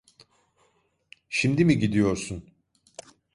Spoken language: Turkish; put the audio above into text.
Şimdi mi gidiyorsun?